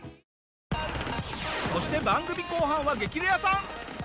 そして番組後半は『激レアさん』